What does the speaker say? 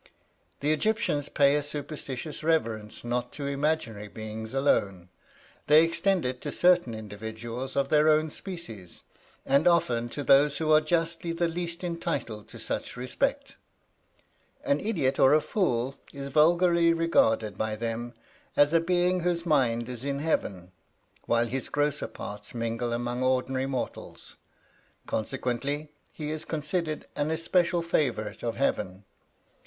"The Egyptians pay a superstitious reverence not to imaginary beings alone: they extend it to certain individuals of their own species; and often to those who are justly the least entitled to such respect. An idiot or a fool is vulgarly regarded by them as a being whose mind is in heaven, while his grosser part mingles among ordinary mortals; consequently, he is considered an especial favorite of heaven.